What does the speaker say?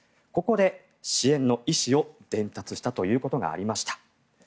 ここで支援の意思を伝達したということがありました。